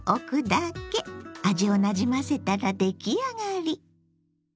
味をなじませたら出来上がり。